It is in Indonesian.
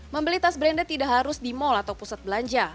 membeli tas branded tidak harus di mal atau pusat belanja